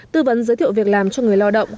tư vấn giới thiệu việc làm cho người lao động